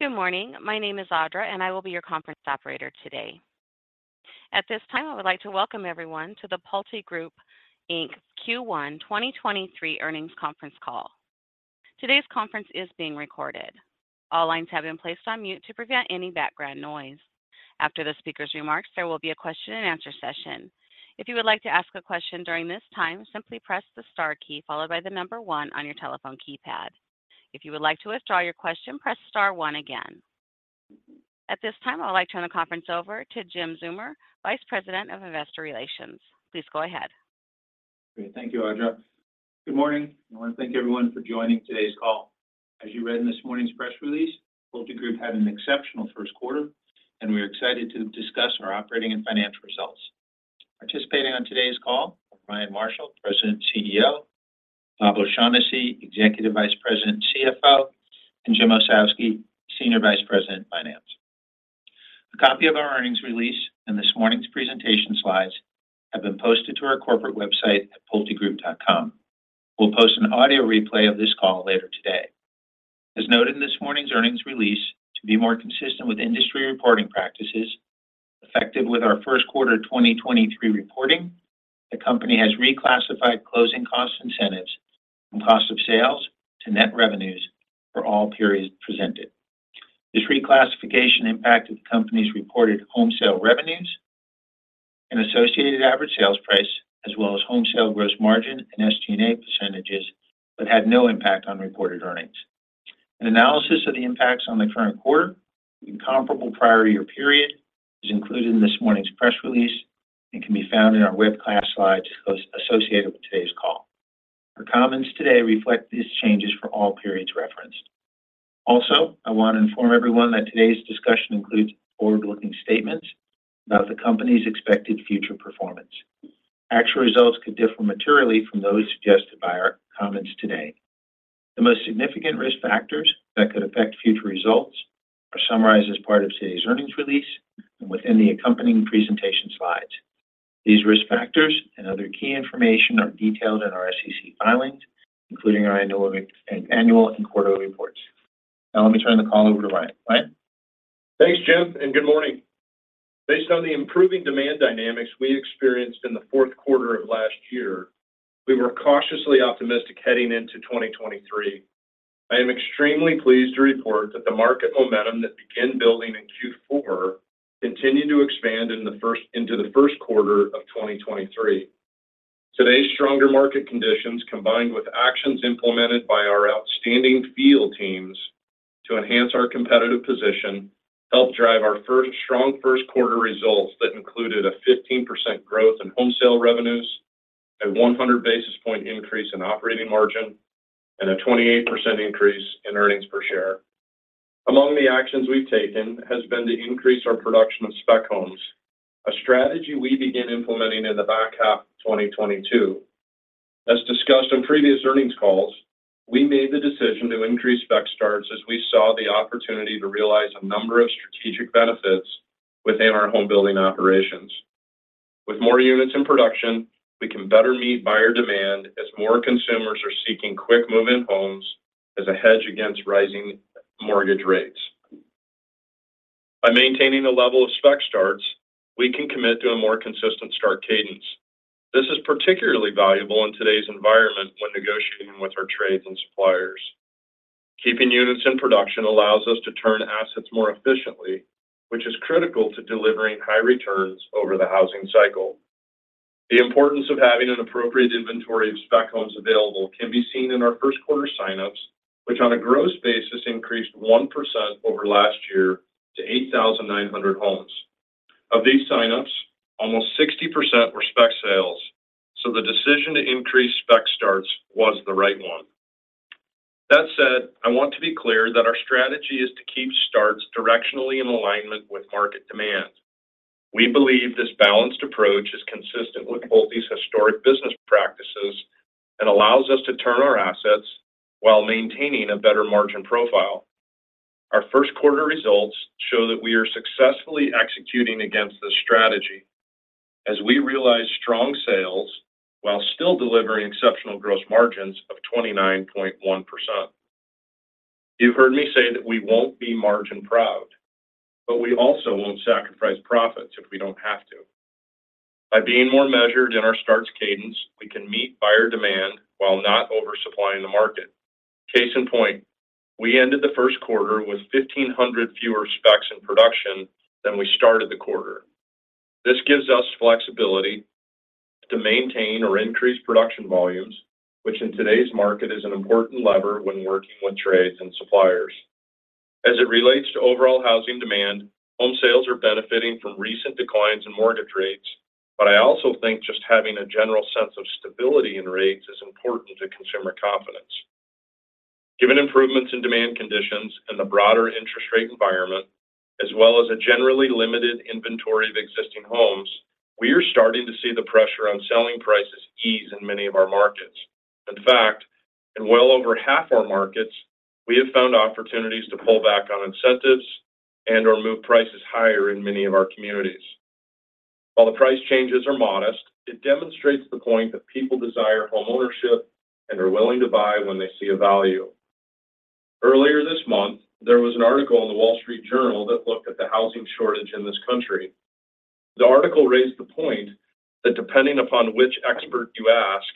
Good morning. My name is Audra. I will be your conference operator today. At this time, I would like to welcome everyone to the PulteGroup, Inc.'s Q1 2023 earnings conference call. Today's conference is being recorded. All lines have been placed on mute to prevent any background noise. After the speaker's remarks, there will be a question and answer session. If you would like to ask a question during this time, simply press the star key followed by the number one on your telephone keypad. If you would like to withdraw your question, press star one again. At this time, I would like to turn the conference over to Jim Zeumer, Vice President of Investor Relations. Please go ahead. Great. Thank you, Audra. Good morning. I want to thank everyone for joining today's call. As you read in this morning's press release, PulteGroup had an exceptional first-quarter, and we are excited to discuss our operating and financial results. Participating on today's call are Ryan Marshall, President and CEO, Bob O'Shaughnessy, Executive Vice President and CFO, and Jim Ossowski, Senior Vice President, Finance. A copy of our earnings release and this morning's presentation slides have been posted to our corporate website at pultegroup.com. We'll post an audio replay of this call later today. As noted in this morning's earnings release, to be more consistent with industry reporting practices, effective with our first quarter of 2023 reporting, the company has reclassified closing-cost incentives from cost of sales to net revenues for all periods presented. This reclassification impacted the company's reported home-sale revenues and associated average sales price, as well as home sale gross margin and SG&A %, but had no impact on reported earnings. An analysis of the impacts on the current quarter and comparable prior-year period is included in this morning's press release and can be found in our webcast slides as associated with today's call. Our comments today reflect these changes for all periods referenced. I want to inform everyone that today's discussion includes forward-looking statements about the company's expected future performance. Actual results could differ materially from those suggested by our comments today. The most significant risk factors that could affect future results are summarized as part of today's earnings release and within the accompanying presentation slides. These risk factors and other key information are detailed in our SEC filings, including our annual and quarter reports. Let me turn the call over to Ryan. Ryan? Thanks, Jim. Good morning. Based on the improving demand dynamics we experienced in the fourth quarter of last year, we were cautiously optimistic heading into 2023. I am extremely pleased to report that the market momentum that began building in Q4 continued to expand into the first quarter of 2023. Today's stronger market conditions, combined with actions implemented by our outstanding field teams to enhance our competitive position, helped drive our strong first quarter results that included a 15% growth in home-sale revenues, a 100 basis point increase in operating margin, and a 28% increase in earnings per share. Among the actions we've taken has been to increase our production of spec homes, a strategy we began implementing in the back half of 2022. As discussed on previous earnings calls, we made the decision to increase spec starts as we saw the opportunity to realize a number of strategic benefits within our home-building operations. With more units in production, we can better meet buyer demand as more consumers are seeking quick move-in homes as a hedge against rising mortgage rates. By maintaining the level of spec starts, we can commit to a more consistent start cadence. This is particularly valuable in today's environment when negotiating with our trades and suppliers. Keeping units in production allows us to turn assets more efficiently, which is critical to delivering high returns over the housing cycle. The importance of having an appropriate inventory of spec homes available can be seen in our first quarter sign-ups, which on a gross basis increased 1% over last year to 8,900 homes. Of these sign-ups, almost 60% were spec sales. The decision to increase spec starts was the right one. That said, I want to be clear that our strategy is to keep starts directionally in alignment with market demand. We believe this balanced approach is consistent with Pulte's historic business practices and allows us to turn our assets while maintaining a better margin profile. Our first quarter results show that we are successfully executing against this strategy as we realize strong sales while still delivering exceptional gross margins of 29.1%. You've heard me say that we won't be margin-proud. We also won't sacrifice profits if we don't have to. By being more measured in our starts cadence, we can meet buyer demand while not oversupplying the market. Case in point, we ended the first quarter with 1,500 fewer specs in production than we started the quarter. This gives us flexibility to maintain or increase production volumes, which in today's market is an important lever when working with trades and suppliers. As it relates to overall housing demand, home sales are benefiting from recent declines in mortgage rates. I also think just having a general sense of stability in rates is important to consumer confidence. Given improvements in demand conditions and the broader interest rate environment, as well as a generally limited inventory of existing homes, we are starting to see the pressure on selling prices ease in many of our markets. In fact, in well over half our markets, we have found opportunities to pull back on incentives and/or move prices higher in many of our communities. While the price changes are modest, it demonstrates the point that people desire homeownership and are willing to buy when they see a value. Earlier this month, there was an article in The Wall Street Journal that looked at the housing shortage in this country. The article raised the point that depending upon which expert you ask,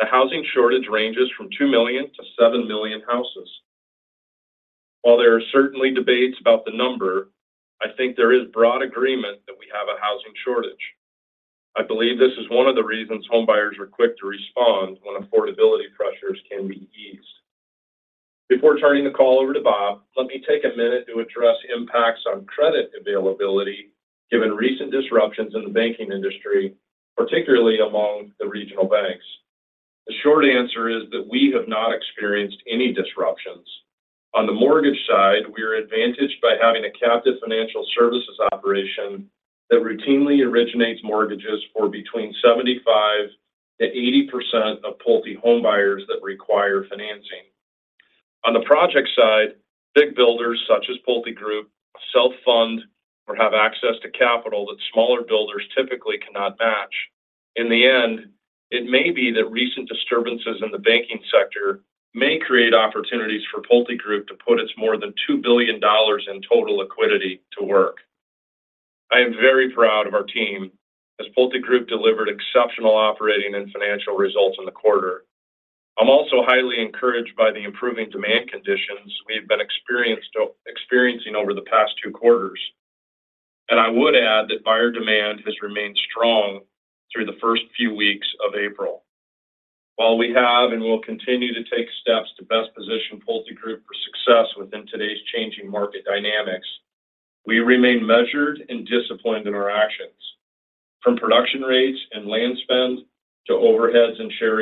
the housing shortage ranges from 2 million-7 million houses. While there are certainly debates about the number, I think there is broad agreement that we have a housing shortage. I believe this is one of the reasons home buyers are quick to respond when affordability pressures can be eased. Before turning the call over to Bob, let me take a minute to address impacts on credit availability, given recent disruptions in the banking industry, particularly among the regional banks. The short answer is that we have not experienced any disruptions. On the mortgage side, we are advantaged by having a captive financial-services operation that routinely originates mortgages for between 75% to 80% of Pulte home buyers that require financing. On the project side, big builders such as PulteGroup, self-fund, or have access to capital that smaller builders typically cannot match. In the end, it may be that recent disturbances in the banking sector may create opportunities for PulteGroup to put its more than $2 billion in total liquidity to work. I am very proud of our team as PulteGroup delivered exceptional operating and financial results in the quarter. I'm also highly encouraged by the improving demand conditions we have been experiencing over the past two quarters. I would add that buyer demand has remained strong through the first few weeks of April. While we have and will continue to take steps to best position PulteGroup for success within today's changing market dynamics, we remain measured and disciplined in our actions. From production rates and land spend, to overheads and share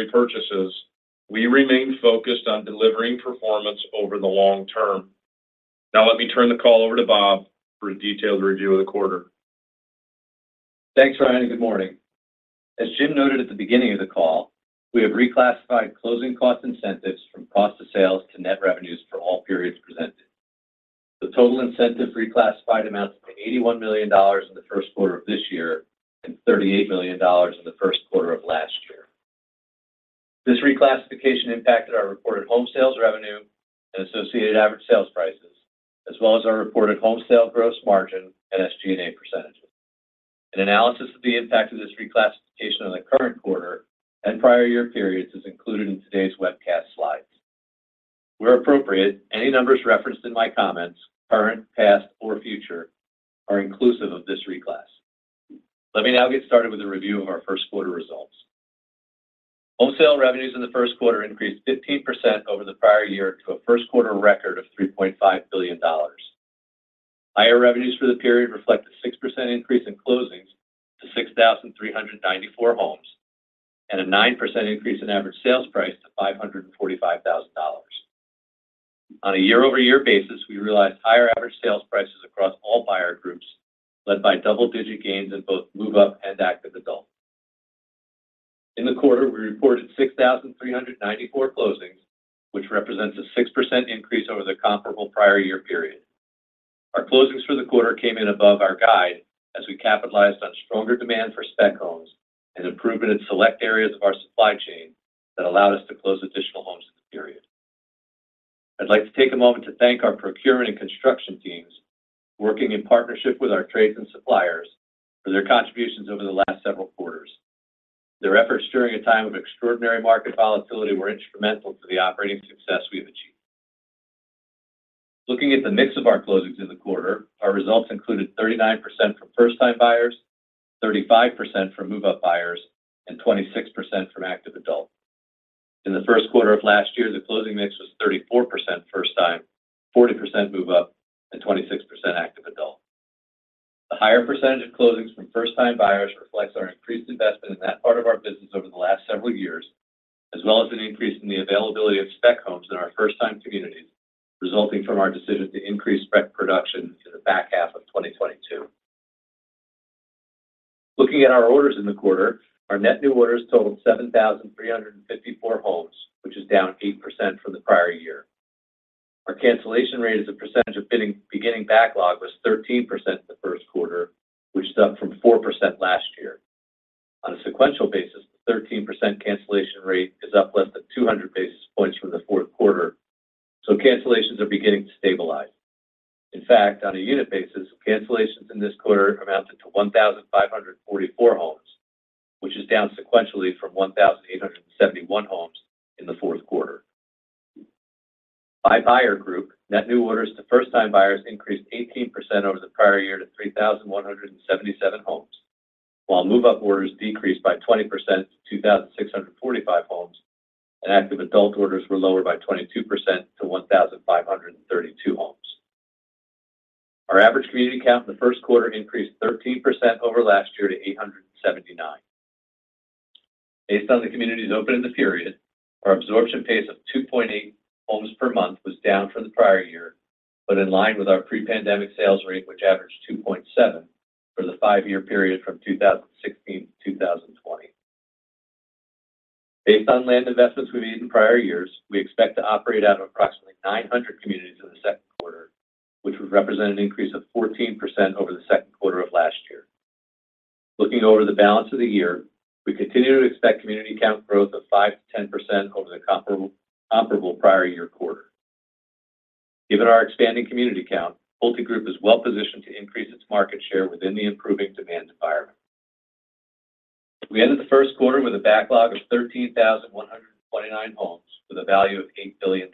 repurchases, we remain focused on delivering performance over the long term. Let me turn the call over to Bob for a detailed review of the quarter. Thanks, Ryan. Good morning. As Jim noted at the beginning of the call, we have reclassified closing-cost incentives from cost of sales to net revenues for all periods presented. The total incentive reclassified amounts to $81 million in the first quarter of this year and $38 million in the first quarter of last year. This reclassification impacted our reported home sales revenue and associated average sales prices, as well as our reported home sale gross margin and SG&A %. An analysis of the impact of this reclassification on the current quarter and prior-year periods is included in today's webcast slides. Where appropriate, any numbers referenced in my comments, current, past, or future, are inclusive of this reclass. Let me now get started with a review of our first quarter results. Home-sale revenues in the first quarter increased 15% over the prior year to a first-quarter record of $3.5 billion. Higher revenues for the period reflect a 6% increase in closings to 6,394 homes and a 9% increase in average sales price to $545,000. On a year-over-year basis, we realized higher average sales prices across all buyer groups, led by double-digit gains in both move-up and active adult. In the quarter, we reported 6,394 closings, which represents a 6% increase over the comparable prior-year period. Our closings for the quarter came in above our guide as we capitalized on stronger demand for spec homes and improvement in select areas of our supply chain that allowed us to close additional homes in the period. I'd like to take a moment to thank our procurement and construction teams working in partnership with our trades and suppliers for their contributions over the last several quarters. Their efforts during a time of extraordinary market volatility were instrumental to the operating success we have achieved. Looking at the mix of our closings in the quarter, our results included 39% from first-time buyers, 35% from move-up buyers, and 26% from Active Adult. In the first quarter of last year, the closing mix was 34% first-time, 40% move-up, and 26% Active Adult. The higher percentage of closings from first-time buyers reflects our increased investment in that part of our business over the last several years, as well as an increase in the availability of spec homes in our first-time communities, resulting from our decision to increase spec production in the back half of 2022. Looking at our orders in the quarter, our net-new orders totaled 7,354 homes, which is down 8% from the prior year. Our cancellation rate as a percentage of beginning backlog was 13% in the first quarter, which is up from 4% last year. On a sequential basis, the 13% cancellation rate is up less than 200 basis points from the fourth quarter. Cancellations are beginning to stabilize. In fact, on a unit basis, cancellations in this quarter amounted to 1,544 homes, which is down sequentially from 1,871 homes in Q4. By buyer group, net-new orders to first-time buyers increased 18% over the prior year to 3,177 homes, while move-up orders decreased by 20% to 2,645 homes, and active-adult orders were lower by 22% to 1,532 homes. Our average community count in Q1 increased 13% over last year to 879. Based on the communities open in the period, our absorption pace of 2.8 homes per month was down from the prior year, but in line with our pre-pandemic sales rate, which averaged 2.7 for the 5-year period from 2016 to 2020. Based on land investments we made in prior years, we expect to operate out of approximately 900 communities in the second quarter, which would represent an increase of 14% over the second quarter of last year. Looking over the balance of the year, we continue to expect community count growth of 5%-10% over the comparable prior-year quarter. Given our expanding community count, PulteGroup is well-positioned to increase its market share within the improving demand environment. We ended the first quarter with a backlog of 13,129 homes with a value of $8 billion.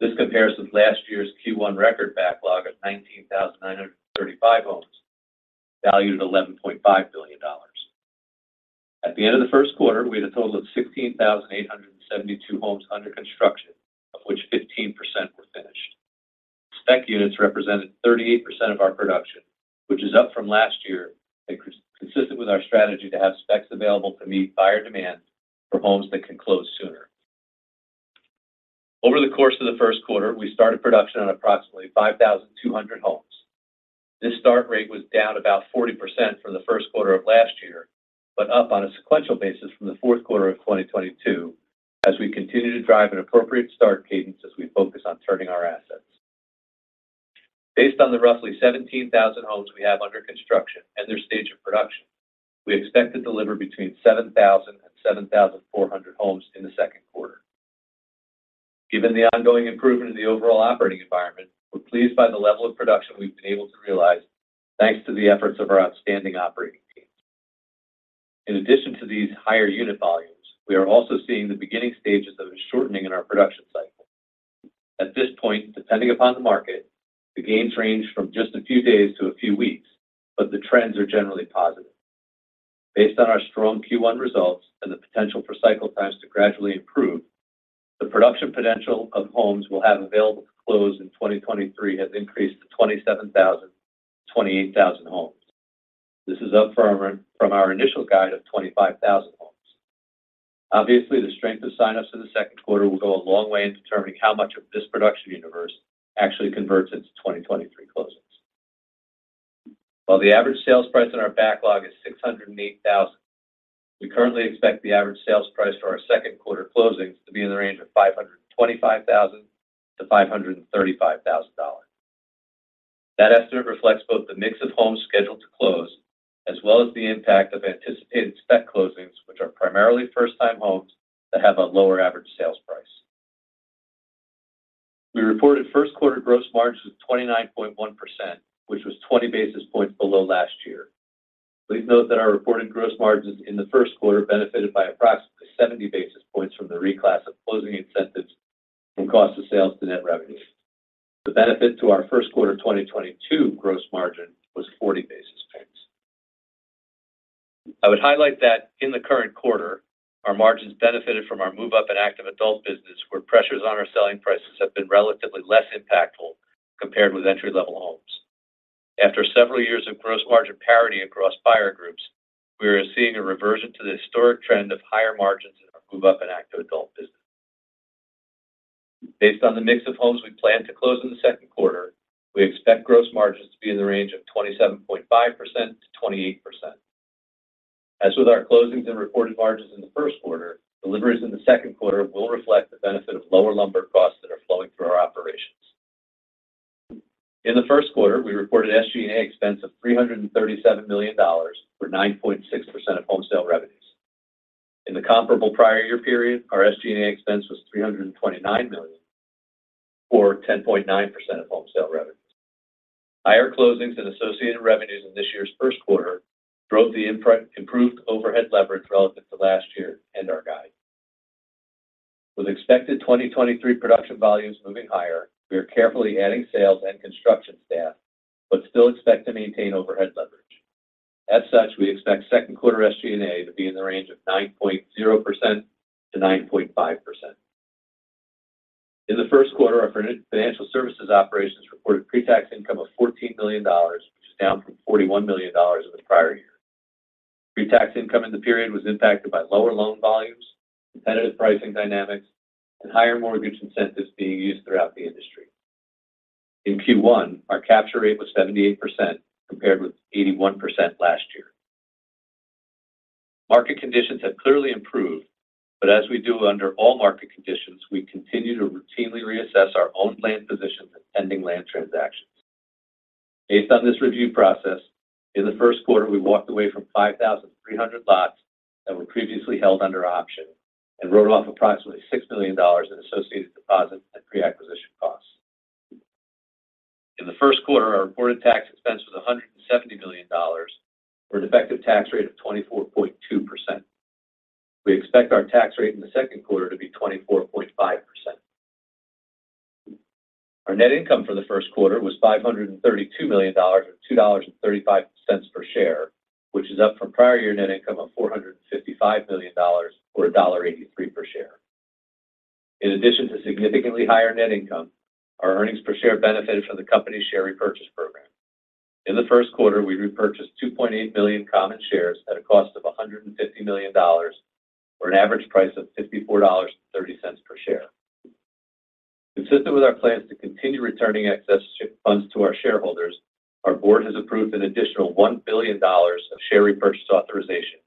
This compares with last year's Q1 record backlog of 19,935 homes valued at $11.5 billion. At the end of the first quarter, we had a total of 16,872 homes under construction, of which 15% were finished. Spec units represented 38% of our production, which is up from last year and consistent with our strategy to have specs available to meet buyer demand for homes that can close sooner. Over the course of the first quarter, we started production on approximately 5,200 homes. This start rate was down about 40% from the first quarter of last year, but up on a sequential basis from the fourth quarter of 2022 as we continue to drive an appropriate start cadence as we focus on turning our assets. Based on the roughly 17,000 homes we have under construction and their stage of production, we expect to deliver between 7,000 and 7,400 homes in the second quarter. Given the ongoing improvement in the overall operating environment, we're pleased by the level of production we've been able to realize thanks to the efforts of our outstanding operating team. In addition to these higher unit volumes, we are also seeing the beginning stages of a shortening in our production cycle. At this point, depending upon the market, the gains range from just a few days to a few weeks, but the trends are generally positive. Based on our strong Q1 results and the potential for cycle times to gradually improve, the production potential of homes we'll have available to close in 2023 has increased to 27,000-28,000 homes. This is up from our initial guide of 25,000 homes. Obviously, the strength of sign-ups in the second quarter will go a long way in determining how much of this production universe actually converts into 2023 closings. While the average sales price in our backlog is $608,000, we currently expect the average sales price for our second quarter closings to be in the range of $525,000-$535,000. That estimate reflects both the mix of homes scheduled to close as well as the impact of anticipated spec closings, which are primarily first-time homes that have a lower average sales price. We reported first quarter gross margins of 29.1%, which was 20 basis points below last year. Please note that our reported gross margins in the first quarter benefited by approximately 70 basis points from the reclass of closing incentives from cost of sales to net revenue. The benefit to our first quarter of 2022 gross margin was 40 basis points. I would highlight that in the current quarter, our margins benefited from our move-up in Active Adult business where pressures on our selling prices have been relatively less impactful compared with entry-level homes. After several years of gross margin parity across buyer groups, we are seeing a reversion to the historic trend of higher margins in our move-up and Active Adult business. Based on the mix of homes we plan to close in the second quarter, we expect gross margins to be in the range of 27.5%-28%. As with our closings and reported margins in the first quarter, deliveries in the second quarter will reflect the benefit of lower lumber costs that are flowing through our operations. In the first quarter, we reported SG&A expense of $337 million, or 9.6% of home-sale revenues. In the comparable prior-year period, our SG&A expense was $329 million, or 10.9% of home-sale revenues. Higher closings and associated revenues in this year's first quarter drove the improved overhead leverage relative to last year and our guide. With expected 2023 production volumes moving higher, we are carefully adding sales and construction staff, but still expect to maintain overhead leverage. As such, we expect second quarter SG&A to be in the range of 9.0%-9.5%. In the first quarter, our financial-services operations reported pre-tax income of $14 million, which is down from $41 million in the prior year. Pre-tax income in the period was impacted by lower loan volumes, competitive pricing dynamics, and higher mortgage incentives being used throughout the industry. In Q1, our capture rate was 78% compared with 81% last year. Market conditions have clearly improved, but as we do under all market conditions, we continue to routinely reassess our own land positions and pending land transactions. Based on this review process, in the first quarter, we walked away from 5,300 lots that were previously held under option and wrote off approximately $6 million in associated deposits and pre-acquisition costs. In the first quarter, our reported tax expense was $170 million for an effective tax rate of 24.2%. We expect our tax rate in the second quarter to be 24.5%. Our net income for the first quarter was $532 million, or $2.35 per share, which is up from prior-year net income of $455 million, or $1.83 per share. In addition to significantly higher net income, our earnings per share benefited from the company's share-repurchase program. In the first quarter, we repurchased 2.8 million common shares at a cost of $150 million for an average price of $54.30 per share. Consistent with our plans to continue returning excess funds to our shareholders, our board has approved an additional $1 billion of share repurchase authorization,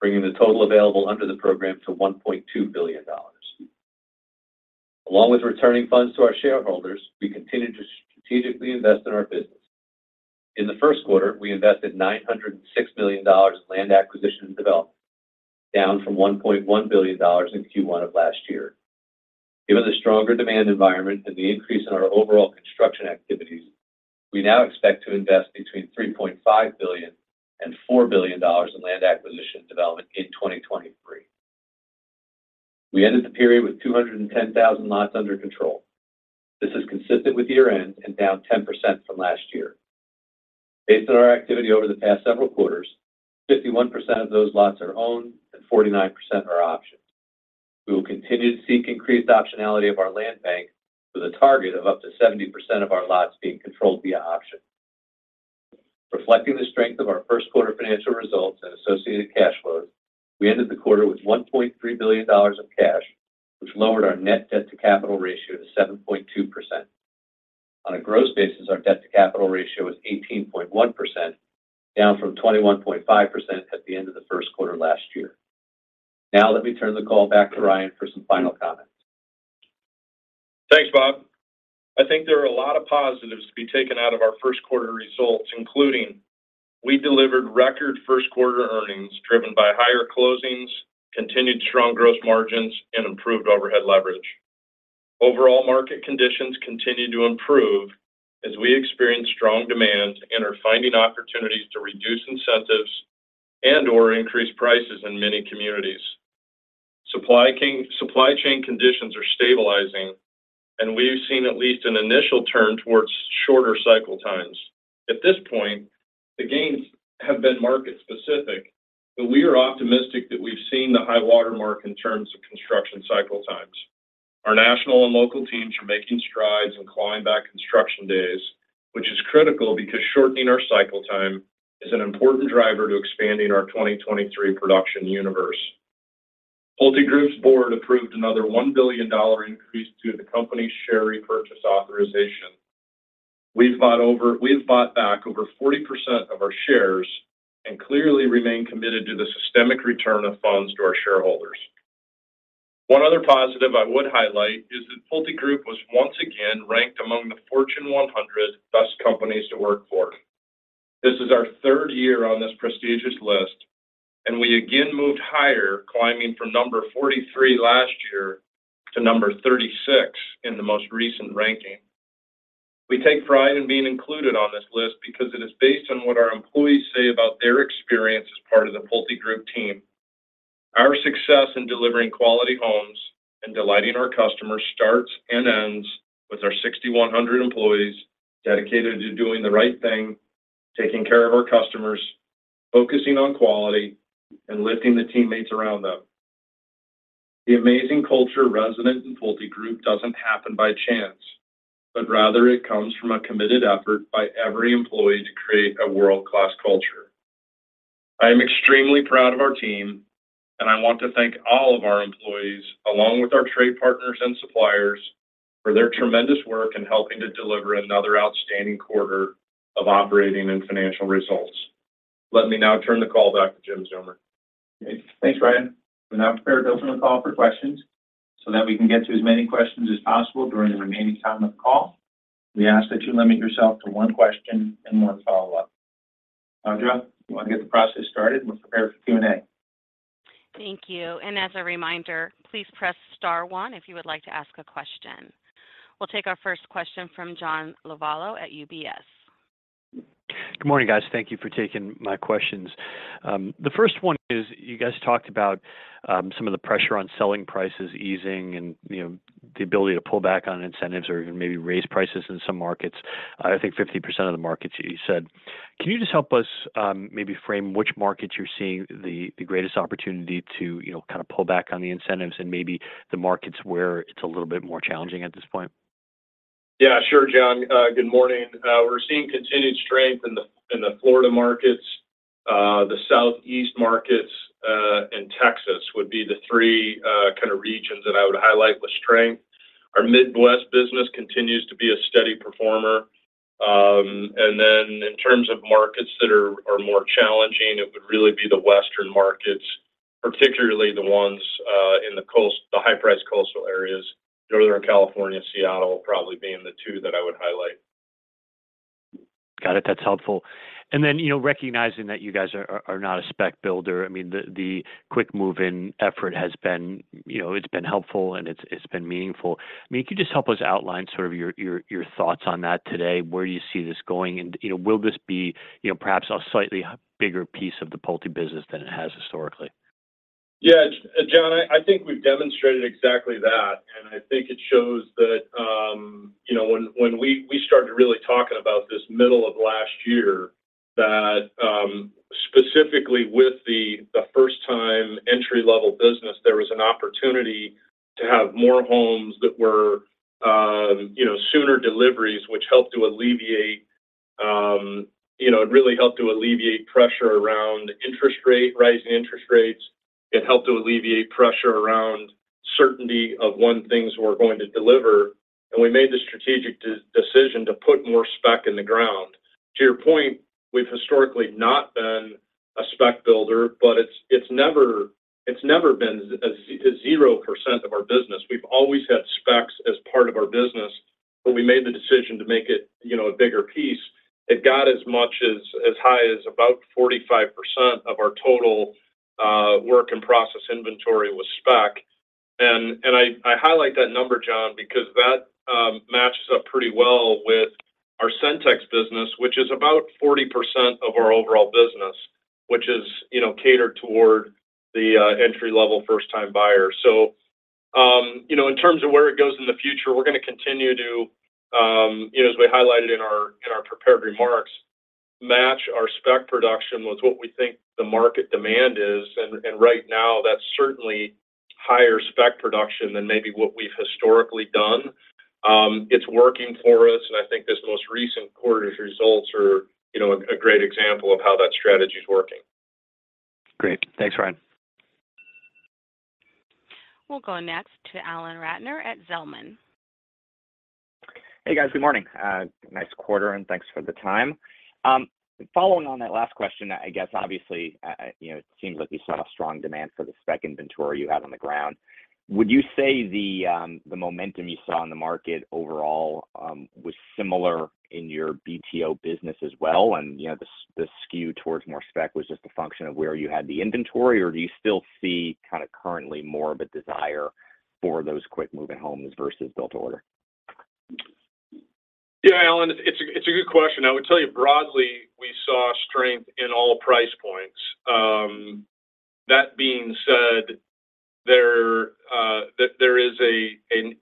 bringing the total available under the program to $1.2 billion. Along with returning funds to our shareholders, we continue to strategically invest in our business. In the first quarter, we invested $906 million in land acquisition and development, down from $1.1 billion in Q1 of last year. Given the stronger demand environment and the increase in our overall construction activities, we now expect to invest between $3.5 billion and $4 billion in land acquisition development in 2023. We ended the period with 210,000 lots under control. This is consistent with year-end and down 10% from last year. Based on our activity over the past several quarters, 51% of those lots are owned and 49% are options. We will continue to seek increased optionality of our land bank with a target of up to 70% of our lots being controlled via option. Reflecting the strength of our first quarter financial results and associated cash flows, we ended the quarter with $1.3 billion of cash, which lowered our net debt-to-capital ratio to 7.2%. On a gross basis, our debt-to-capital ratio was 18.1%, down from 21.5% at the end of the first quarter last year. Let me turn the call back to Ryan for some final comments. Thanks, Bob. I think there are a lot of positives to be taken out of our first quarter results, including we delivered record first quarter earnings driven by higher closings, continued strong gross margins, and improved overhead leverage. Overall market conditions continue to improve as we experience strong demand and are finding opportunities to reduce incentives and/or increase prices in many communities. Supply-chain conditions are stabilizing, we've seen at least an initial turn towards shorter cycle times. At this point, the gains have been market-specific, we are optimistic that we've seen the high-water mark in terms of construction cycle times. Our national and local teams are making strides in climbing back construction days, which is critical because shortening our cycle time is an important driver to expanding our 2023 production universe. PulteGroup's board approved another $1 billion increase to the company's share repurchase authorization. We've bought back over 40% of our shares and clearly remain committed to the systemic return of funds to our shareholders. One other positive I would highlight is that PulteGroup was once again ranked among the Fortune 100 Best Companies to Work For. This is our third year on this prestigious list, and we again moved higher, climbing from number 43 last year to number 36 in the most recent ranking. We take pride in being included on this list because it is based on what our employees say about their experience as part of the PulteGroup team. Our success in delivering quality homes and delighting our customers starts and ends with our 6,100 employees dedicated to doing the right thing, taking care of our customers, focusing on quality, and lifting the teammates around them. The amazing culture resident in PulteGroup doesn't happen by chance, but rather it comes from a committed effort by every employee to create a world-class culture. I am extremely proud of our team, and I want to thank all of our employees, along with our trade partners and suppliers, for their tremendous work in helping to deliver another outstanding quarter of operating and financial results. Let me now turn the call back to Jim Zeumer. Okay, thanks, Ryan. We're now prepared to open the call for questions. That we can get to as many questions as possible during the remaining time of the call, we ask that you limit yourself to one question and one follow-up. Audra, you want to get the process started? We're prepared for Q&A. Thank you. As a reminder, please press star one if you would like to ask a question. We'll take our first question from John Lovallo at UBS. Good morning, guys. Thank you for taking my questions. The first one is you guys talked about some of the pressure on selling prices easing and, you know, the ability to pull back on incentives or even maybe raise prices in some markets. I think 50% of the markets you said. Can you just help us maybe frame which markets you're seeing the greatest opportunity to, you know, kind of pull back on the incentives and maybe the markets where it's a little bit more challenging at this point? Yeah, sure, John. Good morning. We're seeing continued strength in the Florida markets. The Southeast markets, Texas would be the three kind of regions that I would highlight with strength. Our Midwest business continues to be a steady performer. Then in terms of markets that are more challenging, it would really be the Western markets, particularly the ones in the coast, the high-price coastal areas. Northern California, Seattle probably being the two that I would highlight. Got it. That's helpful. You know, recognizing that you guys are not a spec builder, I mean, the quick move-in effort has been, you know, it's been helpful and it's been meaningful. I mean, could you just help us outline sort of your thoughts on that today? Where do you see this going? You know, will this be, you know, perhaps a slightly bigger piece of the Pulte business than it has historically? John, I think we've demonstrated exactly that. I think it shows that, you know, when we started really talking about this middle of last year, that specifically with the first-time entry-level business, there was an opportunity to have more homes that were, you know, sooner deliveries, which helped to alleviate. You know, it really helped to alleviate pressure around interest rate, rising interest rates. It helped to alleviate pressure around certainty of when things were going to deliver. We made the strategic decision to put more spec in the ground. To your point, we've historically not been a spec builder, but it's never been zero percent of our business. We've always had specs as part of our business, but we made the decision to make it, you know, a bigger piece. It got as much as high as about 45% of our total work in process inventory with spec. I highlight that number, John, because that matches up pretty well with our Centex business, which is about 40% of our overall business, which is, you know, catered toward the entry-level first-time buyer. You know, in terms of where it goes in the future, we're gonna continue to, you know, as we highlighted in our prepared remarks, match our spec production with what we think the market demand is. Right now, that's certainly higher spec production than maybe what we've historically done. It's working for us, and I think this most recent quarter's results are, you know, a great example of how that strategy is working. Great. Thanks, Ryan. We'll go next to Alan Ratner at Zelman. Hey, guys. Good morning. Nice quarter, and thanks for the time. Following on that last question, I guess, obviously, you know, it seems like you saw a strong demand for the spec inventory you had on the ground. Would you say the momentum you saw in the market overall, was similar in your BTO business as well? You know, the skew towards more spec was just a function of where you had the inventory? Or do you still see kinda currently more of a desire for those quick move-in homes versus build-to-order? Alan, it's a good question. I would tell you broadly, we saw strength in all price points. That being said, there is a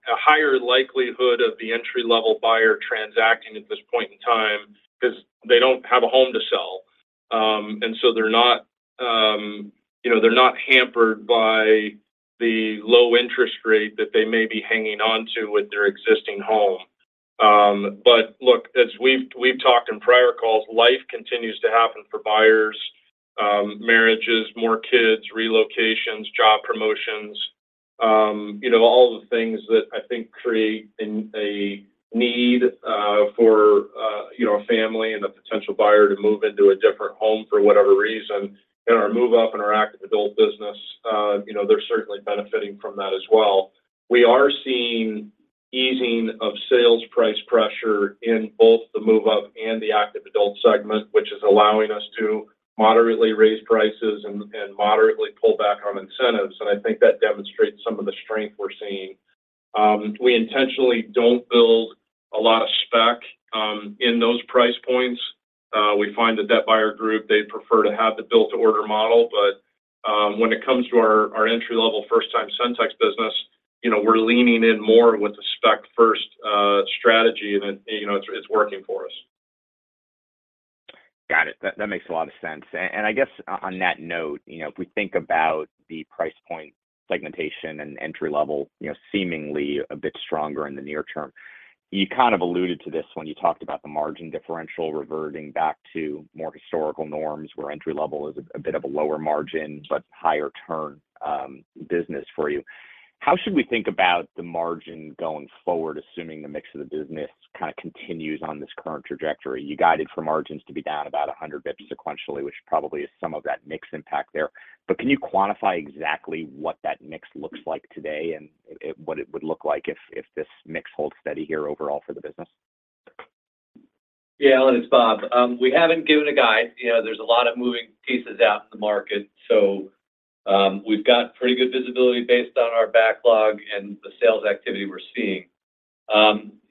higher likelihood of the entry-level buyer transacting at this point in time 'cause they don't have a home to sell. They're not, you know, they're not hampered by the low interest rate that they may be hanging on to with their existing home. Look, as we've talked in prior calls, life continues to happen for buyers, marriages, more kids, relocations, job promotions, you know, all the things that I think create a need for, you know, a family and a potential buyer to move into a different home for whatever reason. In our move-up and our Active Adult business, you know, they're certainly benefiting from that as well. We are seeing easing of sales price pressure in both the move-up and the Active Adult segment, which is allowing us to moderately raise prices and moderately pull back on incentives. I think that demonstrates some of the strength we're seeing. We intentionally don't build a lot of spec in those price points. We find that that buyer group, they prefer to have the build-to-order model. When it comes to our entry-level first-time Centex business, you know, we're leaning in more with the spec first strategy, and, you know, it's working for us. Got it. That makes a lot of sense. I guess on that note, you know, if we think about the price point segmentation and entry-level, you know, seemingly a bit stronger in the near term. You kind of alluded to this when you talked about the margin differential reverting back to more historical norms, where entry-level is a bit of a lower margin, but higher turn business for you. How should we think about the margin going forward, assuming the mix of the business kinda continues on this current trajectory? You guided for margins to be down about 100 basis points sequentially, which probably is some of that mix impact there. Can you quantify exactly what that mix looks like today and what it would look like if this mix holds steady here overall for the business? Yeah, Alan, it's Bob. We haven't given a guide. You know, there's a lot of moving pieces out in the market. We've got pretty good visibility based on our backlog and the sales activity we're seeing.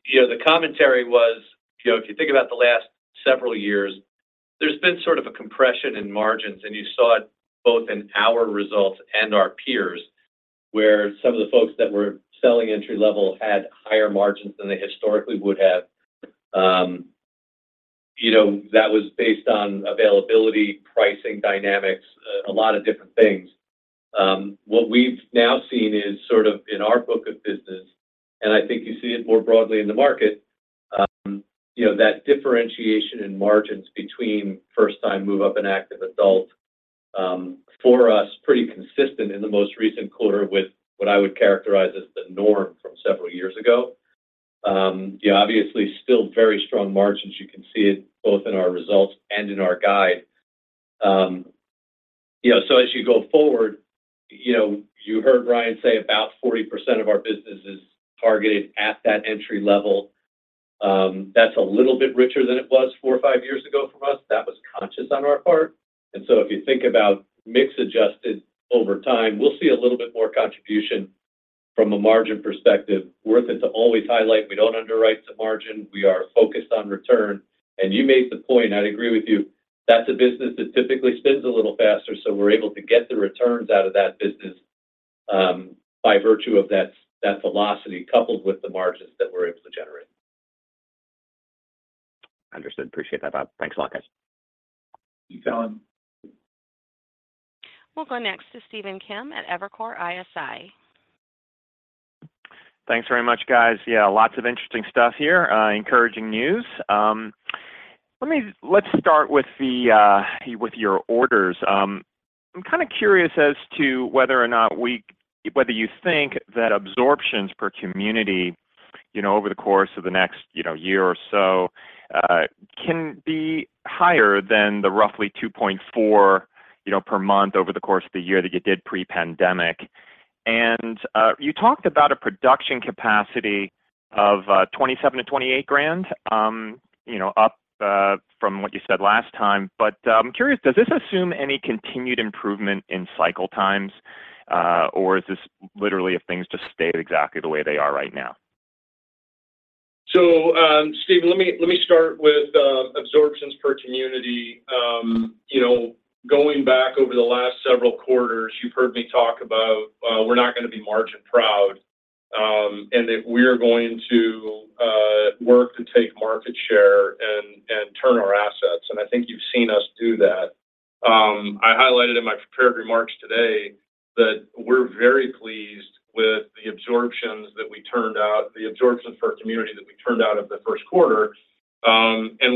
You know, the commentary was, you know, if you think about the last several years, there's been sort of a compression in margins, and you saw it both in our results and our peers, where some of the folks that were selling entry-level had higher margins than they historically would have. You know, that was based on availability, pricing dynamics, a lot of different things. What we've now seen is sort of in our book of business, and I think you see it more broadly in the market, you know, that differentiation in margins between first time, move-up, and active adult, for us, pretty consistent in the most recent quarter with what I would characterize as the norm from several years ago. Obviously still very strong margins. You can see it both in our results and in our guide. So as you go forward, you know, you heard Ryan say about 40% of our business is targeted at that entry-level. That's a little bit richer than it was four or five years ago from us. That was conscious on our part. If you think about mix adjusted over time, we'll see a little bit more contribution from a margin perspective. Worth it to always highlight, we don't underwrite to margin. We are focused on return. You made the point, I'd agree with you, that's a business that typically spins a little faster, so we're able to get the returns out of that business, by virtue of that velocity coupled with the margins that we're able to generate. Understood. Appreciate that, Bob. Thanks a lot, guys. Thanks, Alan. We'll go next to Stephen Kim at Evercore ISI. Thanks very much, guys. Yeah, lots of interesting stuff here, encouraging news. Let's start with the with your orders. I'm kind of curious as to whether or not whether you think that absorptions per community, you know, over the course of the next, you know, year or so, can be higher than the roughly 2.4, you know, per month over the course of the year that you did pre-pandemic. You talked about a production capacity of 27 to 28 grand, you know, up from what you said last time. I'm curious, does this assume any continued improvement in cycle times, or is this literally if things just stayed exactly the way they are right now? Stephen, let me start with absorptions per community. You know, going back over the last several quarters, you've heard me talk about we're not gonna be margin proud. We're going to work to take market share and turn our assets, and I think you've seen us do that. I highlighted in my prepared remarks today that we're very pleased with the absorptions that we turned out, the absorption per community that we turned out of the first quarter.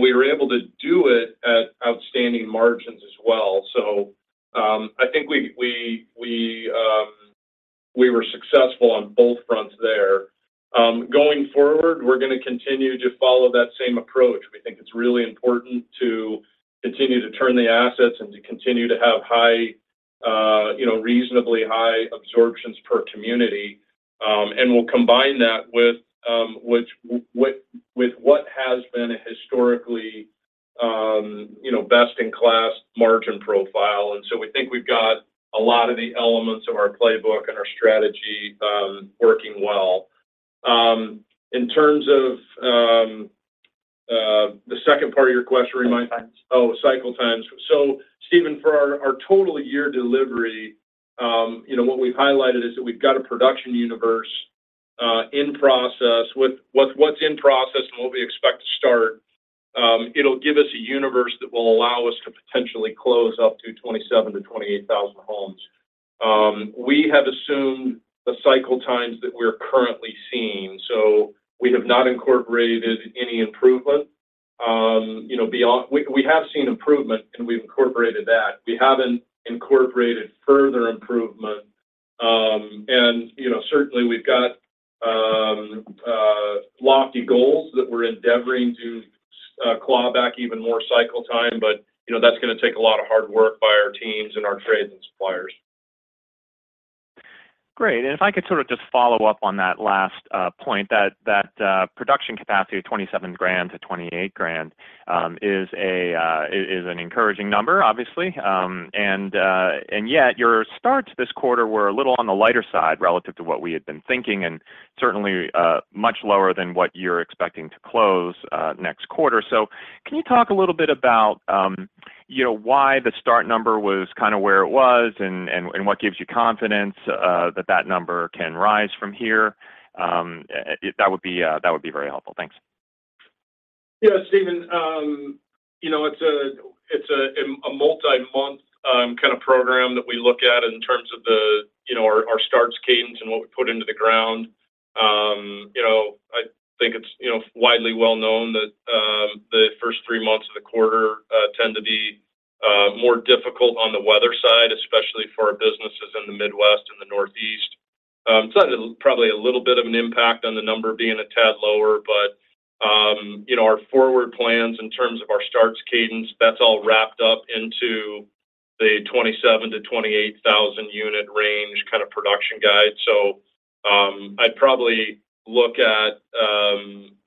We were able to do it at outstanding margins as well. I think we were successful on both fronts there. Going forward, we're gonna continue to follow that same approach. We think it's really important to continue to turn the assets and to continue to have high, you know, reasonably high absorptions per community. We'll combine that with, which, with what has been a historically, you know, best-in-class margin profile. We think we've got a lot of the elements of our playbook and our strategy, working well. In terms of the second part of your question. Cycle times. Cycle times. Stephen, for our total year delivery, you know, what we've highlighted is that we've got a production universe in process. With what's in process and what we expect to start, it'll give us a universe that will allow us to potentially close up to 27,000-28,000 homes. We have assumed the cycle times that we're currently seeing, so we have not incorporated any improvement. You know, beyond. We have seen improvement, and we've incorporated that. We haven't incorporated further improvement. And, you know, certainly we've got lofty goals that we're endeavoring to claw back even more cycle time, but, you know, that's gonna take a lot of hard work by our teams and our trades and suppliers. Great. If I could sort of just follow up on that last point, that production capacity of 27,000-28,000, is an encouraging number, obviously. Yet your starts this quarter were a little on the lighter side relative to what we had been thinking and certainly much lower than what you're expecting to close next quarter. Can you talk a little bit about, you know, why the start number was kind of where it was and what gives you confidence that number can rise from here? If that would be very helpful. Thanks. Yeah, Stephen. you know, it's a multi-month kind of program that we look at in terms of the, you know, our starts cadence and what we put into the ground. you know, I think it's, you know, widely well known that the first three months of the quarter tend to be more difficult on the weather side, especially for our businesses in the Midwest and the Northeast. so that had probably a little bit of an impact on the number being a tad lower, but, you know, our forward plans in terms of our starts cadence, that's all wrapped up into the 27,000-28,000 unit range kind of production guide. I'd probably look at,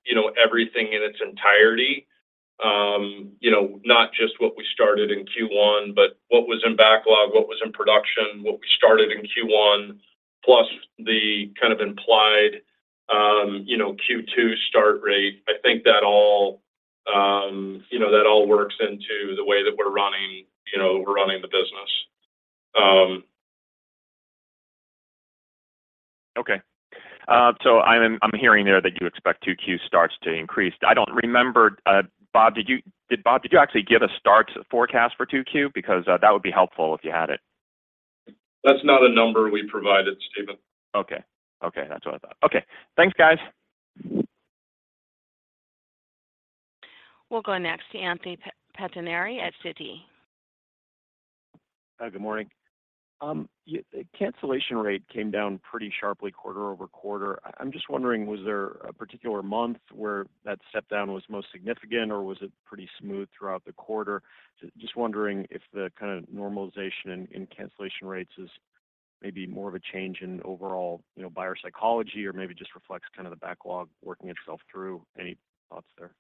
you know, everything in its entirety. You know, not just what we started in Q1, but what was in backlog, what was in production, what we started in Q1, plus the kind of implied, you know, Q2 start rate. I think that all, you know, that all works into the way that we're running, you know, we're running the business... I'm hearing there that you expect 2Q starts to increase. I don't remember, Bob, did you actually give a starts forecast for 2Q? That would be helpful if you had it. That's not a number we provided, Stephen. Okay. Okay, that's what I thought. Okay, thanks, guys. We'll go next to Anthony Pettinari at Citi. Hi, good morning. Cancellation rate came down pretty sharply quarter-over-quarter. I'm just wondering, was there a particular month where that step down was most significant, or was it pretty smooth throughout the quarter? just wondering if the kind of normalization in cancellation rates is maybe more of a change in overall, you know, buyer psychology or maybe just reflects kind of the backlog working itself through. Any thoughts there?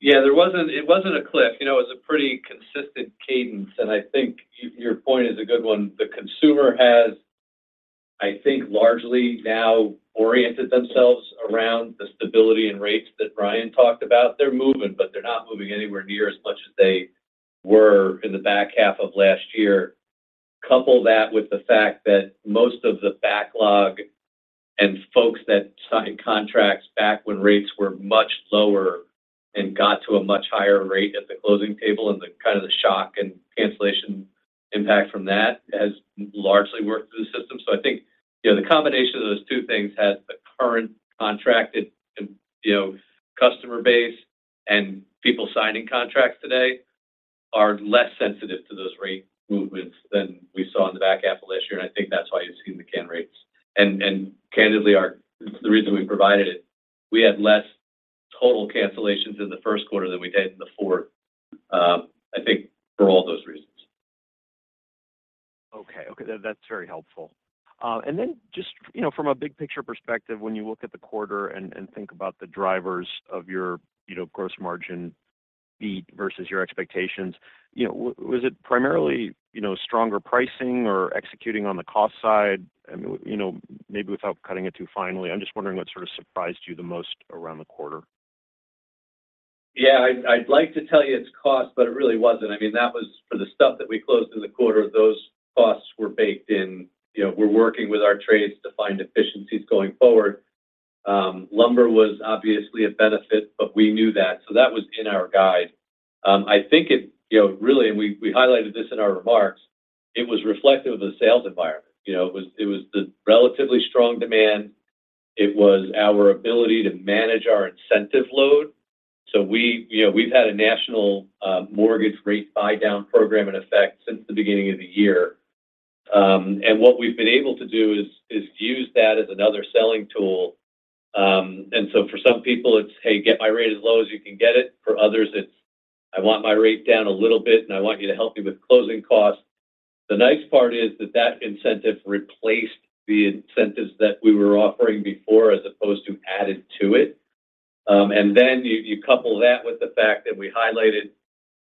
Yeah, there wasn't, it wasn't a cliff. You know, it was a pretty consistent cadence. I think your point is a good one. The consumer has, I think, largely now oriented themselves around the stability and rates that Ryan talked about. They're moving, but they're not moving anywhere near as much as they were in the back half of last year. Couple that with the fact that most of the backlog and folks that signed contracts back when rates were much lower and got to a much higher rate at the closing table, and the kind of the shock and cancellation impact from that has largely worked through the system. I think, you know, the combination of those two things has the current contracted and, you know, customer base and people signing contracts today are less sensitive to those rate movements than we saw in the back half of last year. I think that's why you've seen the can rates. Candidly, the reason we provided it, we had less total cancellations in the first quarter than we did in the fourth, I think for all those reasons. Okay. Okay, that's very helpful. Just, you know, from a big picture perspective, when you look at the quarter and think about the drivers of your, you know, gross margin beat versus your expectations, you know, was it primarily, you know, stronger pricing or executing on the cost side? I mean, you know, maybe without cutting it too finely, I'm just wondering what sort of surprised you the most around the quarter? Yeah, I'd like to tell you it's cost, but it really wasn't. I mean, that was for the stuff that we closed in the quarter. Those costs were baked in. You know, we're working with our trades to find efficiencies going forward. Lumber was obviously a benefit, but we knew that, so that was in our guide. I think it, you know, really, we highlighted this in our remarks, it was reflective of the sales environment. You know, it was the relatively strong demand. It was our ability to manage our incentive load. We, you know, we've had a national mortgage rate buydown program in effect since the beginning of the year. What we've been able to do is use that as another selling tool. For some people it's, "Hey, get my rate as low as you can get it." For others it's, "I want my rate down a little bit, and I want you to help me with closing costs." The nice part is that that incentive replaced the incentives that we were offering before as opposed to added to it. You, you couple that with the fact that we highlighted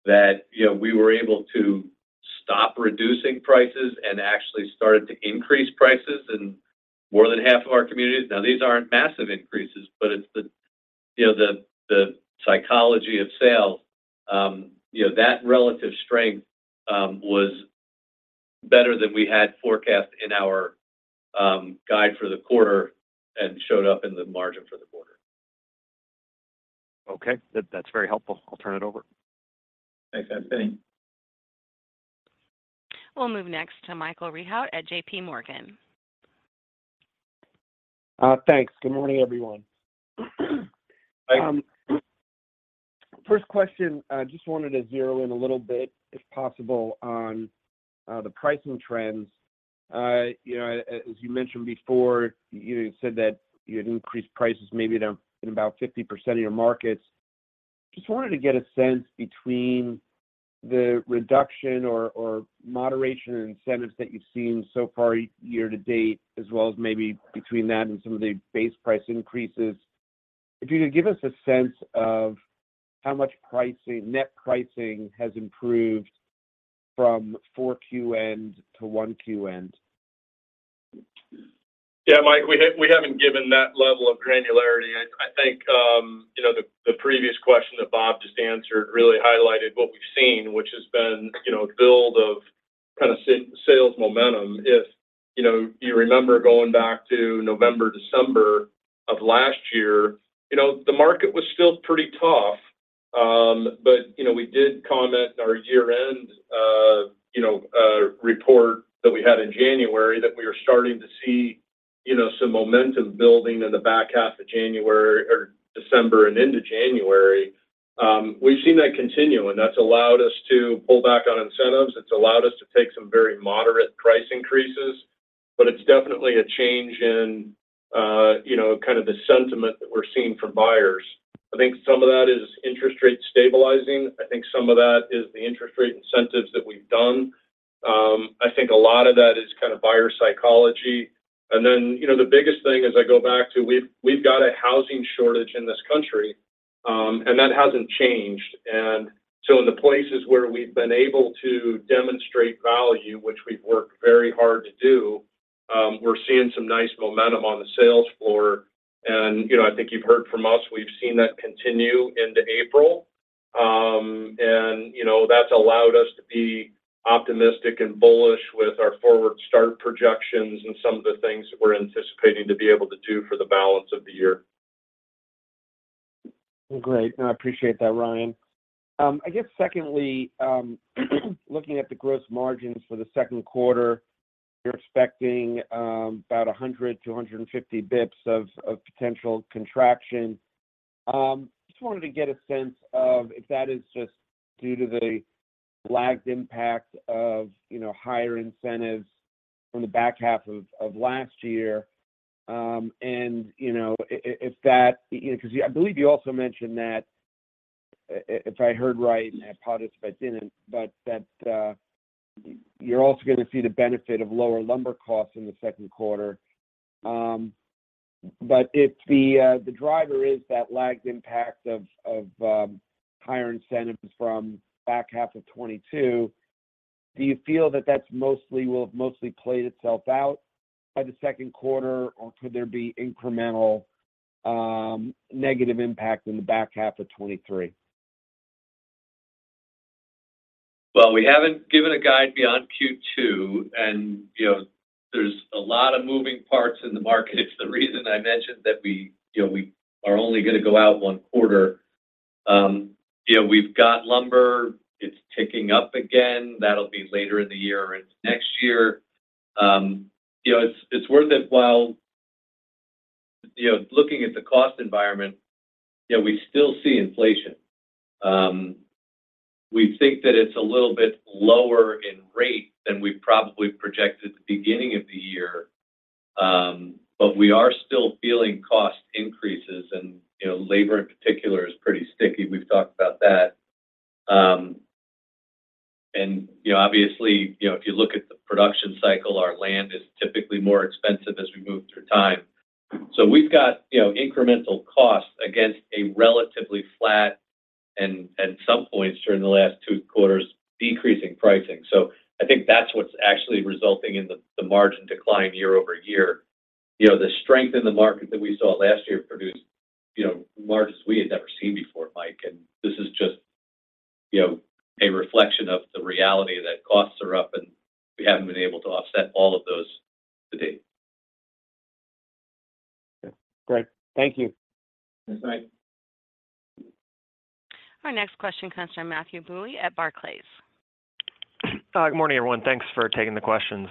that, you know, we were able to stop reducing prices and actually started to increase prices in more than half of our communities. Now, these aren't massive increases, but it's the, you know, the psychology of sales, you know, that relative strength was better than we had forecast in our guide for the quarter and showed up in the margin for the quarter. Okay. That's very helpful. I'll turn it over. Thanks. Thanks, Anthony. We'll move next to Michael Rehaut at JPMorgan. thanks. Good morning, everyone. Hi. First question, I just wanted to zero in a little bit, if possible, on the pricing trends. You know, as you mentioned before, you said that you had increased prices maybe down in about 50% of your markets. Just wanted to get a sense between the reduction or moderation in incentives that you've seen so far year to date, as well as maybe between that and some of the base price increases. If you could give us a sense of how much pricing, net pricing has improved from 4Q end to 1Q end. Yeah, Mike, we haven't given that level of granularity. I think, you know, the previous question that Bob just answered really highlighted what we've seen, which has been, you know, a build of kind of sales momentum. You know, you remember going back to November, December of last year, you know, the market was still pretty tough. You know, we did comment in our year-end, you know, report that we had in January that we were starting to see, you know, some momentum building in the back half of January or December and into January. We've seen that continue, that's allowed us to pull back on incentives. It's allowed us to take some very moderate price increases, it's definitely a change in, you know, kind of the sentiment that we're seeing from buyers. I think some of that is interest rates stabilizing. I think some of that is the interest rate incentives that we've done. I think a lot of that is kind of buyer psychology. Then, you know, the biggest thing as I go back to we've got a housing shortage in this country, and that hasn't changed. So in the places where we've been able to demonstrate value, which we've worked very hard to do, we're seeing some nice momentum on the sales floor. You know, I think you've heard from us, we've seen that continue into April. You know, that's allowed us to be optimistic and bullish with our forward start projections and some of the things that we're anticipating to be able to do for the balance of the year. Great. No, I appreciate that, Ryan. I guess secondly, looking at the gross margins for the second quarter, you're expecting about 100 to 150 basis points of potential contraction. Just wanted to get a sense of if that is just due to the lagged impact of, you know, higher incentives from the back half of last year. If that, you know, 'cause I believe you also mentioned that, if I heard right, and apologize if I didn't, but that, you're also gonna see the benefit of lower lumber costs in the second quarter. If the driver is that lagged impact of higher incentives from back half of 2022, do you feel that will have mostly played itself out by the second quarter, or could there be incremental negative impact in the back half of 2023? We haven't given a guide beyond Q2, you know, there's a lot of moving parts in the market. It's the reason I mentioned that we, you know, we are only gonna go out one quarter. You know, we've got lumber. It's ticking up again. That'll be later in the year or into next year. You know, it's worth it while. You know, looking at the cost environment, you know, we still see inflation. We think that it's a little bit lower in rate than we probably projected at the beginning of the year. We are still feeling cost increases and, you know, labor in particular is pretty sticky. We've talked about that. You know, obviously, you know, if you look at the production cycle, our land is typically more expensive as we move through time. We've got, you know, incremental costs against a relatively flat and, at some points during the last two quarters, decreasing pricing. I think that's what's actually resulting in the margin decline year-over-year. You know, the strength in the market that we saw last year produced, you know, margins we had never seen before, Mike. This is just, you know, a reflection of the reality that costs are up and we haven't been able to offset all of those to date. Okay. Great. Thank you. Thanks, Mike. Our next question comes from Matthew Bouley at Barclays. Good morning, everyone. Thanks for taking the questions.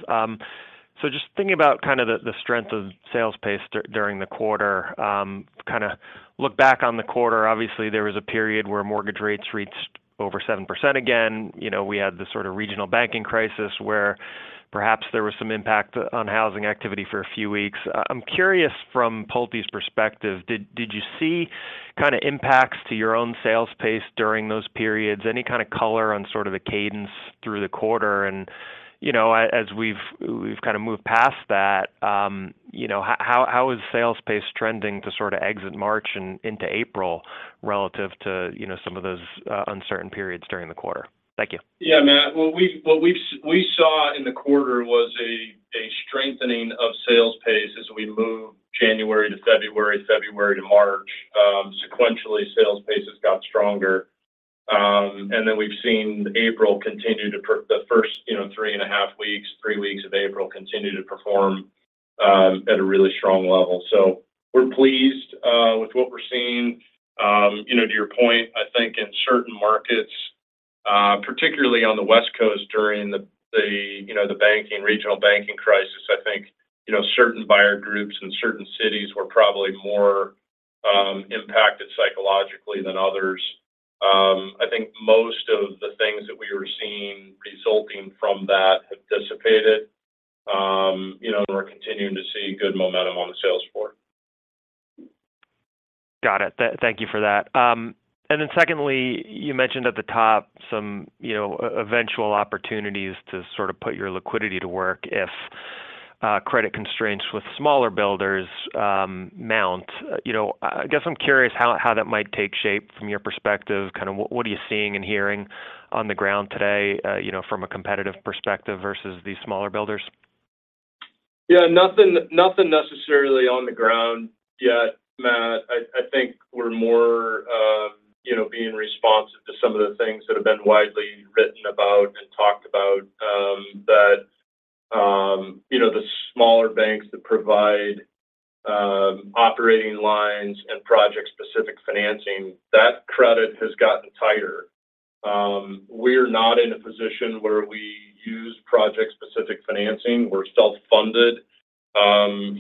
So just thinking about kind of the strength of sales pace during the quarter, to kind of look back on the quarter, obviously, there was a period where mortgage rates reached over 7% again. You know, we had the sort of regional banking crisis where perhaps there was some impact on housing activity for a few weeks. I'm curious from Pulte's perspective, did you see kind of impacts to your own sales pace during those periods? Any kind of color on sort of the cadence through the quarter? You know, as we've kind of moved past that, you know, how is sales pace trending to sort of exit March and into April relative to, you know, some of those uncertain periods during the quarter? Thank you. Yeah, Matt. What we saw in the quarter was a strengthening of sales pace as we moved January to February to March. Sequentially, sales pace has got stronger. We've seen April continue to perform, the first, you know, three and a half weeks of April continue to perform at a really strong level. We're pleased with what we're seeing. You know, to your point, I think in certain markets, particularly on the West Coast during the, you know, the banking, regional banking crisis, I think, you know, certain buyer groups in certain cities were probably more impacted psychologically than others. I think most of the things that we were seeing resulting from that have dissipated. You know, and we're continuing to see good momentum on the sales floor. Got it. Thank you for that. Then secondly, you mentioned at the top some, you know, eventual opportunities to sort of put your liquidity to work if credit constraints with smaller builders mount. You know, I guess I'm curious how that might take shape from your perspective. Kind of what are you seeing and hearing on the ground today, you know, from a competitive perspective versus these smaller builders? Yeah, nothing necessarily on the ground yet, Matt. I think we're more, you know, being responsive to some of the things that have been widely written about and talked about, that, you know, the smaller banks that provide operating lines and project-specific financing, that credit has gotten tighter. We're not in a position where we use project-specific financing. We're self-funded,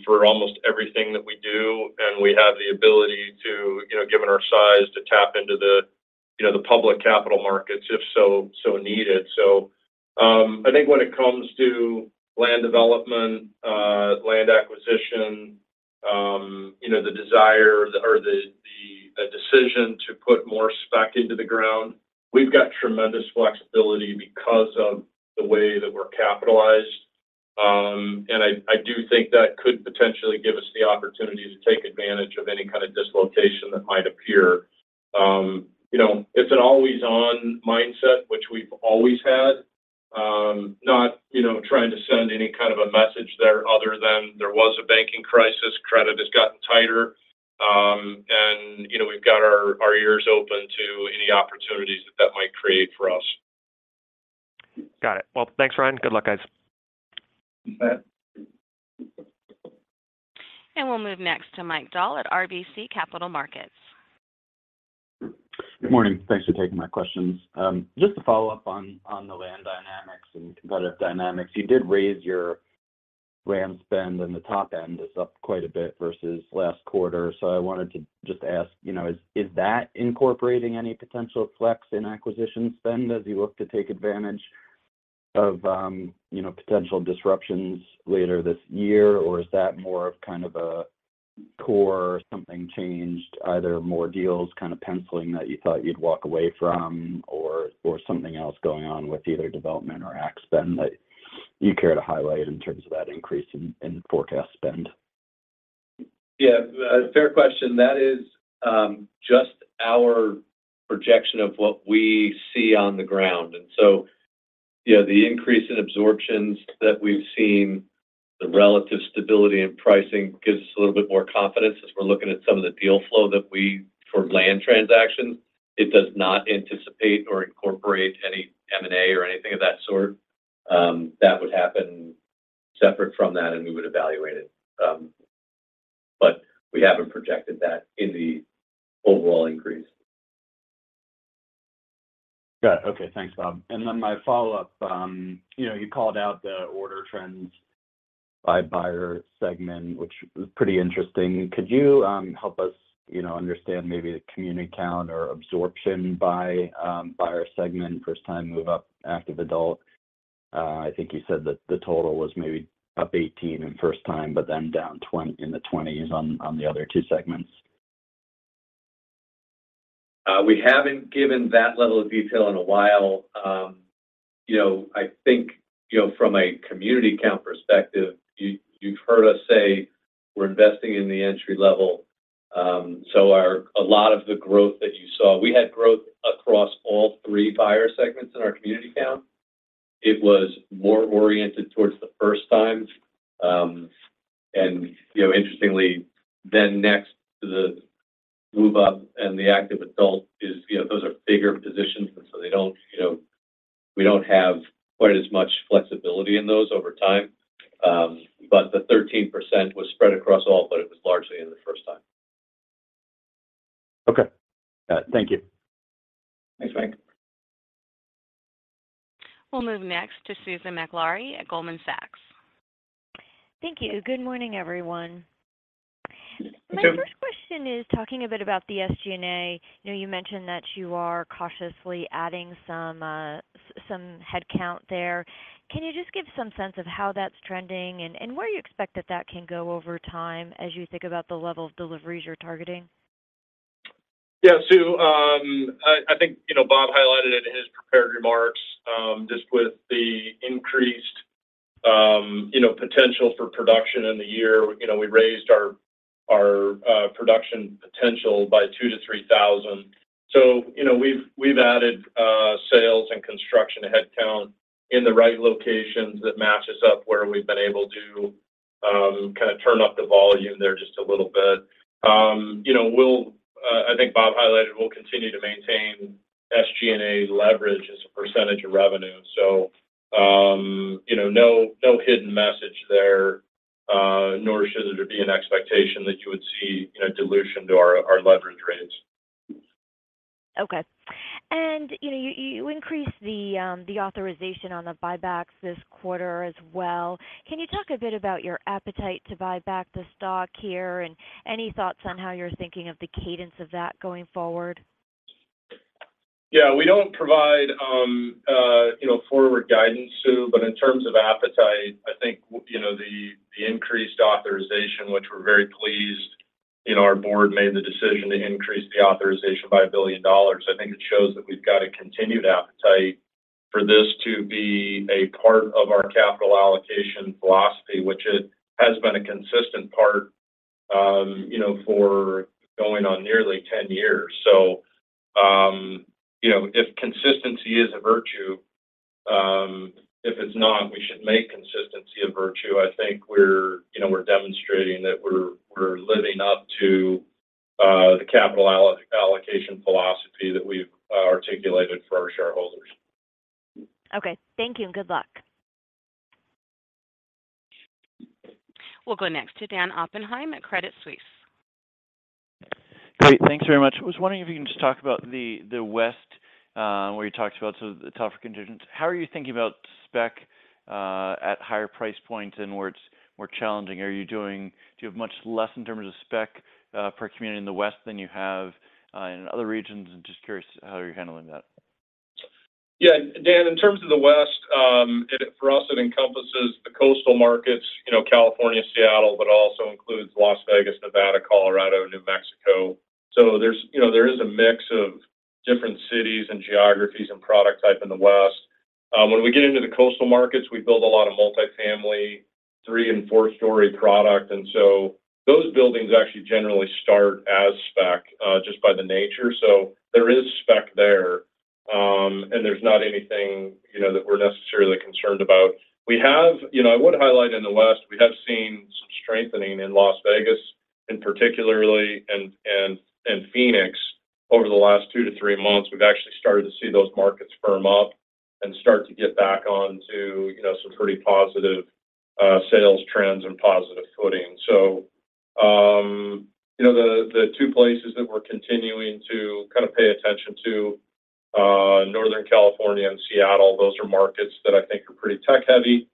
for almost everything that we do, and we have the ability to, you know, given our size, to tap into the, you know, the public capital markets if so needed. I think when it comes to land development, land acquisition, you know, the desire or the, a decision to put more spec into the ground, we've got tremendous flexibility because of the way that we're capitalized. I do think that could potentially give us the opportunity to take advantage of any kind of dislocation that might appear. You know, it's an always on mindset, which we've always had. Not, you know, trying to send any kind of a message there other than there was a banking crisis. Credit has gotten tighter. You know, we've got our ears open to any opportunities that that might create for us. Got it. Well, thanks, Ryan. Good luck, guys. Thanks, Matt. We'll move next to Mike Dahl at RBC Capital Markets. Good morning. Thanks for taking my questions. Just to follow up on the land dynamics and competitive dynamics. You did raise your land spend, and the top end is up quite a bit versus last quarter. I wanted to just ask, you know, is that incorporating any potential flex in acquisition spend as you look to take advantage of, you know, potential disruptions later this year, or is that more of kind of a core something changed, either more deals kind of penciling that you thought you'd walk away from or something else going on with either development or act spend that you care to highlight in terms of that increase in forecast spend? Yeah, a fair question. That is, just our projection of what we see on the ground. Yeah, the increase in absorptions that we've seen, the relative stability in pricing gives us a little bit more confidence as we're looking at some of the deal flow for land transactions. It does not anticipate or incorporate any M&A or anything of that sort. That would happen separate from that, and we would evaluate it. We haven't projected that in the overall increase. Got it. Okay. Thanks, Bob. My follow-up, you know, you called out the order trends by buyer segment, which was pretty interesting. Could you help us, you know, understand maybe the community count or absorption by buyer segment, first time move-up, active adult? I think you said that the total was maybe up 18 in first time, but down in the 20s on the other two segments. We haven't given that level of detail in a while. You know, I think, you know, from a community count perspective, you've heard us say we're investing in the entry level. A lot of the growth that you saw, we had growth across all three buyer segments in our community count. It was more oriented towards the first times. You know, interestingly then next to the move-up and the active adult is, you know, those are bigger positions, they don't, you know, we don't have quite as much flexibility in those over time. The 13% was spread across all, but it was largely in the first time. Okay. Got it. Thank you. Thanks, Mike. We'll move next to Susan Maklari at Goldman Sachs. Thank you. Good morning, everyone. Good. My first question is talking a bit about the SG&A. You know, you mentioned that you are cautiously adding some headcount there. Can you just give some sense of how that's trending and where you expect that that can go over time as you think about the level of deliveries you're targeting? Yeah. Sue, I think, you know, Bob highlighted in his prepared remarks, just with the increased, you know, potential for production in the year. You know, we raised our production potential by $2,000-$3,000. You know, we've added sales and construction headcount in the right locations that matches up where we've been able to kind of turn up the volume there just a little bit. You know, we'll, I think Bob highlighted, we'll continue to maintain SG&A leverage as a percentage of revenue. You know, no hidden message there, nor should there be an expectation that you would see, you know, dilution to our leverage rates. Okay. You know, you increased the authorization on the buybacks this quarter as well. Can you talk a bit about your appetite to buy back the stock here and any thoughts on how you're thinking of the cadence of that going forward? Yeah. We don't provide, you know, forward guidance, Sue. In terms of appetite, I think, you know, the increased authorization, which we're very pleased, you know, our board made the decision to increase the authorization by $1 billion. I think it shows that we've got a continued appetite for this to be a part of our capital allocation philosophy, which it has been a consistent part, you know, for going on nearly 10 years. If consistency is a virtue, if it's not, we should make consistency a virtue. I think we're, you know, we're demonstrating that we're living up to the capital allocation philosophy that we've articulated for our shareholders. Okay. Thank you, and good luck. We'll go next to Dan Oppenheim at Credit Suisse. Great. Thanks very much. I was wondering if you can just talk about the West, where you talked about some of the tougher conditions. How are you thinking about spec at higher price points and where it's more challenging? Do you have much less in terms of spec per community in the West than you have in other regions? Just curious how you're handling that. Yeah. Dan, in terms of the West, for us, it encompasses the coastal markets, you know, California, Seattle, but also includes Las Vegas, Nevada, Colorado, New Mexico. There's, you know, there is a mix of different cities and geographies and product type in the West. When we get into the coastal markets, we build a lot of multifamily, three and four-story product, those buildings actually generally start as spec, just by the nature. There is spec there, and there's not anything, you know, that we're necessarily concerned about. We have, you know, I would highlight in the West, we have seen some strengthening in Las Vegas and particularly, and Phoenix. Over the last two to three months, we've actually started to see those markets firm up and start to get back on to, you know, some pretty positive, sales trends and positive footing. You know, the two places that we're continuing to kind of pay attention to, Northern California and Seattle, those are markets that I think are pretty tech-heavy.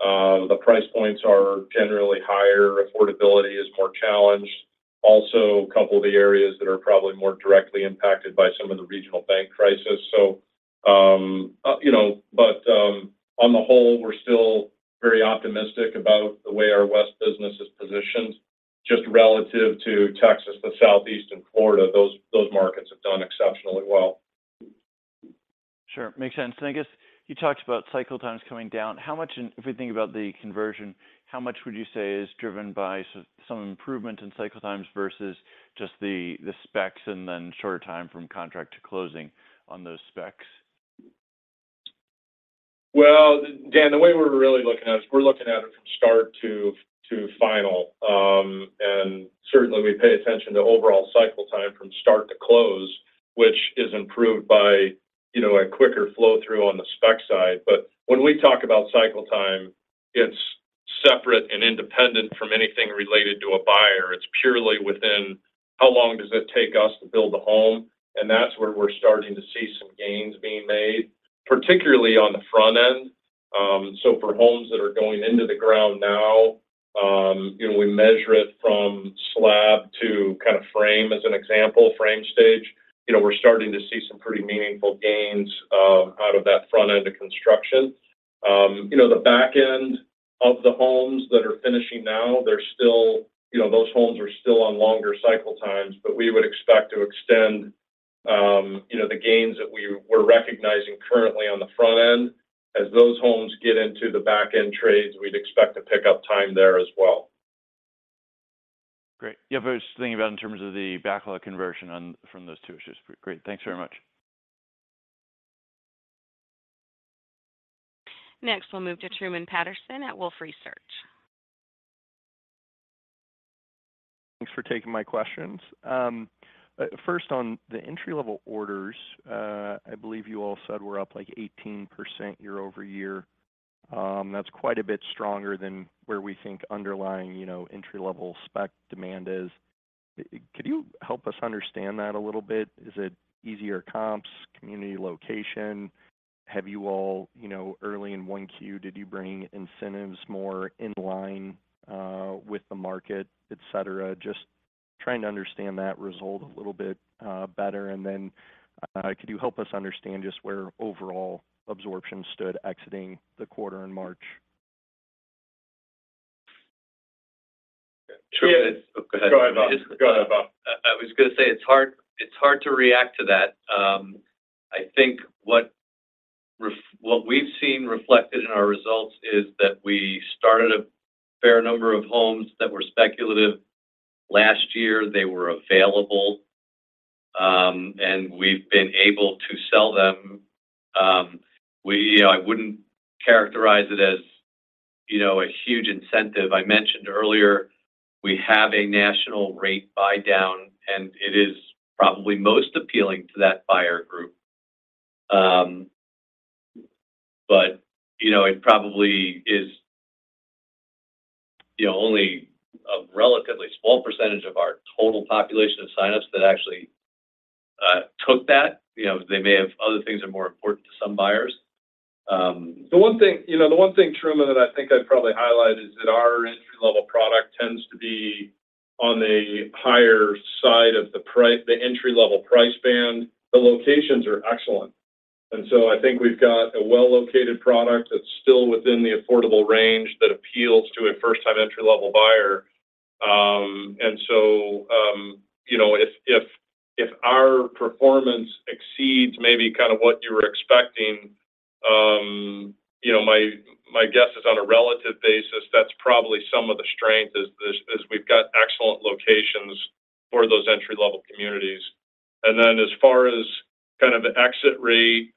The price points are generally higher. Affordability is more challenged. Also, a couple of the areas that are probably more directly impacted by some of the regional bank crisis. You know, but, on the whole, we're still very optimistic about the way our West business is positioned. Just relative to Texas, the Southeast, and Florida, those markets have done exceptionally well. Sure. Makes sense. I guess you talked about cycle times coming down. How much if we think about the conversion, how much would you say is driven by some improvement in cycle times versus just the specs and then shorter time from contract to closing on those specs? Well, Dan, the way we're really looking at it is we're looking at it from start to final. Certainly we pay attention to overall cycle time from start to close, which is improved by, you know, a quicker flow through on the spec side. When we talk about cycle time, it's separate and independent from anything related to a buyer. It's purely within how long does it take us to build a home, and that's where we're starting to see some gains being made, particularly on the front end. For homes that are going into the ground now, you know, we measure it from slab to kind of frame as an example, frame stage. You know, we're starting to see some pretty meaningful gains, out of that front end of construction. You know, the back end of the homes that are finishing now, they're still. You know, those homes are still on longer cycle times, but we would expect to extend, you know, the gains that we're recognizing currently on the front end. As those homes get into the back end trades, we'd expect to pick up time there as well. Great. Yeah, I was just thinking about in terms of the backlog conversion on, from those two. It's just great. Thanks very much. Next, we'll move to Truman Patterson at Wolfe Research. Thanks for taking my questions. First on the entry-level orders, I believe you all said were up like 18% year-over-year. That's quite a bit stronger than where we think underlying, you know, entry-level spec demand is. Could you help us understand that a little bit? Is it easier comps, community location? Have you all, you know, early in Q1, did you bring incentives more in line with the market, et cetera? Just trying to understand that result a little bit better. Could you help us understand just where overall absorption stood exiting the quarter in March? Yeah. Sure. Go ahead, Bob. I was gonna say it's hard, it's hard to react to that. I think what we've seen reflected in our results is that we started a fair number of homes that were speculative last year. They were available, and we've been able to sell them. I wouldn't characterize it as, you know, a huge incentive. I mentioned earlier we have a national rate buy down, and it is probably most appealing to that buyer group. You know, it probably is, you know, only a relatively small percentage of our total population of signups that actually took that. You know, they may have other things are more important to some buyers. The one thing, you know, the one thing, Truman, that I think I'd probably highlight is that our entry-level product tends to be on the higher side of the entry-level price band. The locations are excellent. I think we've got a well-located product that's still within the affordable range that appeals to a first-time entry-level buyer. You know, if, if our performance exceeds maybe kind of what you were expecting, you know, my guess is on a relative basis, that's probably some of the strength is we've got excellent locations for those entry-level communities. As far as kind of the exit rate,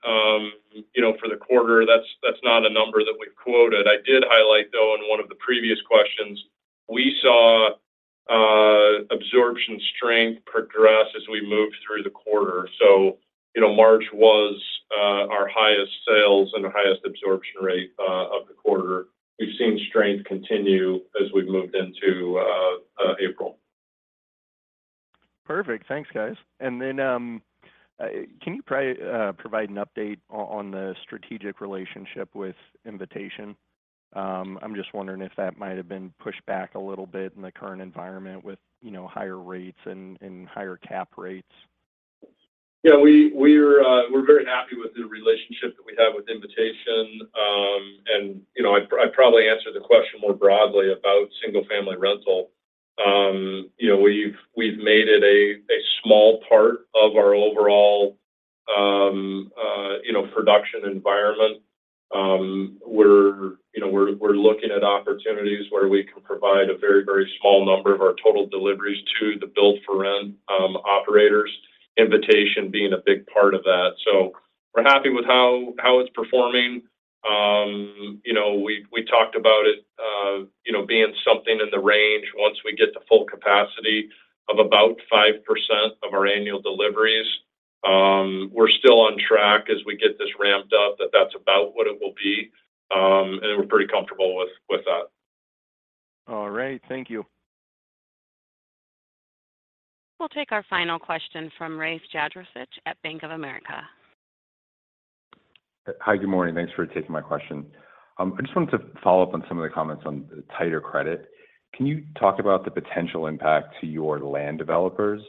you know, for the quarter, that's not a number that we've quoted. I did highlight, though, in one of the previous questions, we saw absorption strength progress as we moved through the quarter. You know, March was our highest sales and highest absorption rate of the quarter. We've seen strength continue as we've moved into April. Perfect. Thanks, guys. Can you provide an update on the strategic relationship with Invitation? I'm just wondering if that might have been pushed back a little bit in the current environment with, you know, higher rates and higher cap rates. Yeah, we're very happy with the relationship that we have with Invitation. You know, I'd probably answer the question more broadly about single-family rental. You know, we've made it a small part of our overall, you know, production environment. We're, you know, we're looking at opportunities where we can provide a very small number of our total deliveries to the build for rent operators, Invitation being a big part of that. We're happy with how it's performing. You know, we talked about it, you know, being something in the range once we get to full capacity of about 5% of our annual deliveries. We're still on track as we get this ramped up that that's about what it will be. We're pretty comfortable with that. All right. Thank you. We'll take our final question from Rafe Jadrosich at Bank of America. Hi, good morning. Thanks for taking my question. I just wanted to follow up on some of the comments on tighter credit. Can you talk about the potential impact to your land developers?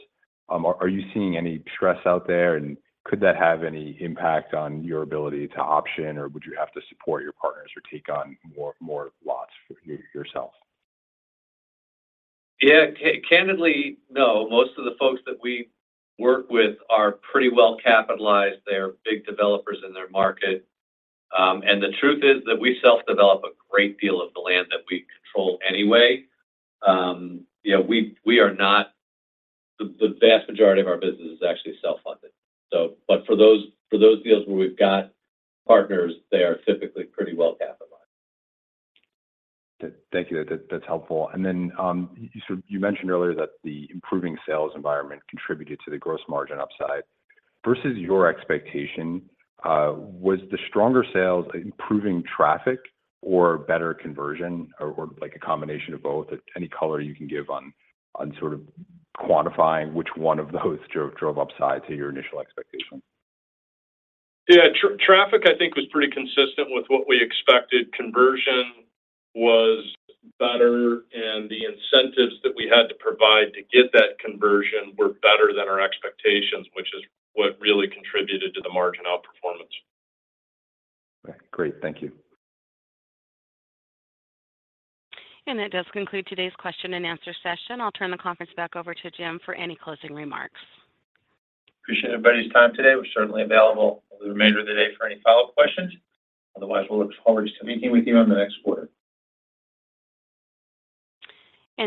Are you seeing any stress out there, and could that have any impact on your ability to option, or would you have to support your partners or take on more lots for yourself? Candidly, no. Most of the folks that we work with are pretty well capitalized. They are big developers in their market. And the truth is that we self-develop a great deal of the land that we control anyway. You know, The vast majority of our business is actually self-funded. But for those deals where we've got partners, they are typically pretty well capitalized. Thank you. That's helpful. You mentioned earlier that the improving sales environment contributed to the gross margin upside. Versus your expectation, was the stronger sales improving traffic or better conversion or like a combination of both? Any color you can give on sort of quantifying which one of those drove upside to your initial expectation? Yeah. Traffic, I think, was pretty consistent with what we expected. Conversion was better, and the incentives that we had to provide to get that conversion were better than our expectations, which is what really contributed to the margin outperformance. Great. Thank you. That does conclude today's question and answer session. I'll turn the conference back over to Jim for any closing remarks. Appreciate everybody's time today. We're certainly available for the remainder of the day for any follow-up questions. Otherwise, we'll look forward to meeting with you on the next quarter.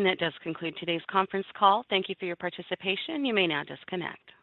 That does conclude today's conference call. Thank you for your participation. You may now disconnect.